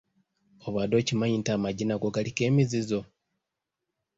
Obadde okimanyi nti amagi n’ago galiko emizizo?